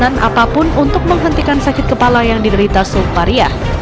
tanganan apapun untuk menghentikan sakit kepala yang diderita supariah